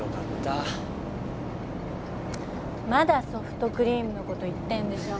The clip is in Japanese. まだソフトクリームのこと言ってんでしょ？